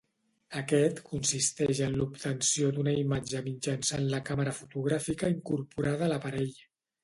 Aquest consisteix en l'obtenció d'una imatge mitjançant la càmera fotogràfica incorporada a l'aparell.